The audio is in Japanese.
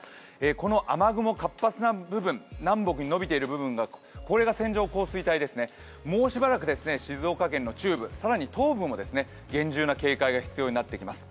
この雨雲、活発な部分、南北に伸びている部分がこれが線状降水帯ですね、もうしばらく静岡県の中部、更に東部も厳重な警戒が必要になってきます。